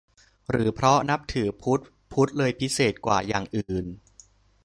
หรือเพราะนับถือพุทธ พุทธเลยพิเศษกว่าอย่างอื่น ?